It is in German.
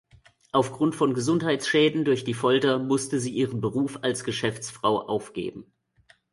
Aufgrund von Gesundheitsschäden durch die Folter musste sie ihren Beruf als Geschäftsfrau aufgeben.